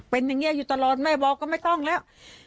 เป็นอย่างนี้อยู่ตลอดแม่บอกก็ไม่ต้องแล้ว